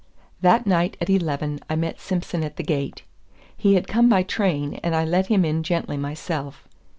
That night at eleven I met Simson at the gate. He had come by train, and I let him in gently myself.